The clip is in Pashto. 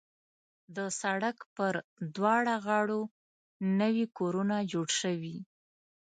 د سړک پر دواړه غاړو نوي کورونه جوړ شوي.